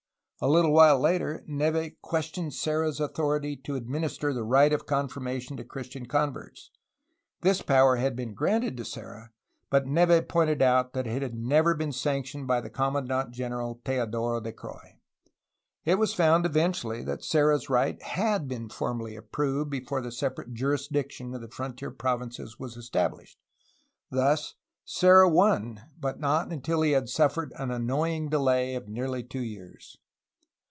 A Httle while later. Neve questioned Serra's authority to admin ister the rite of confirmation to Christian converts; this power had been granted to Serra, but Neve pointed out that it had never been sanctioned by the commandant general Teodoro de Croix. It was found eventually that Serra's right had been formally approved before the separate juris diction of the frontier provinces was established. Thus 362 A HISTORY OF CALIFORNIA Serra won, but not until he had suffered an annoying delay of nearly two years.